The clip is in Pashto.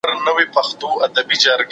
ښایي د ږیري خاوند ډنډ ته د چاڼ ماشین یوسي.